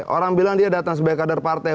orang bilang dia datang sebagai kader partai